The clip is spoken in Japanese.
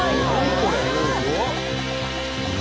これ。